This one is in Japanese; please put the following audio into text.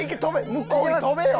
向こうに跳べよ！